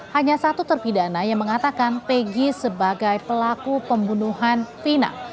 hanya satu terpidana yang mengatakan pg sebagai pelaku pembunuhan vina